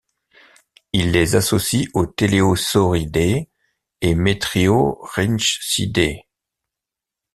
Il les associe aux Teleosauridae et Metriorhynchidae.